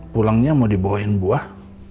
pulangnya mau dibawain buah